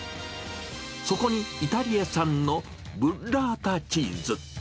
そこにイタリア産のブッラータチーズ。